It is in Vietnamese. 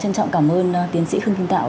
chân trọng cảm ơn tiến sĩ khương kinh tạo